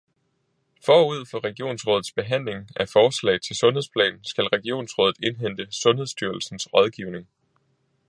Forud for regionsrådets behandling af forslag til sundhedsplan skal regionsrådet indhente Sundhedsstyrelsens rådgivning